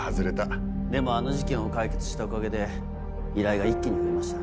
でもあの事件を解決したおかげで依頼が一気に増えました。